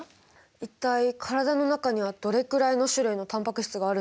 一体体の中にはどれくらいの種類のタンパク質があるんですか？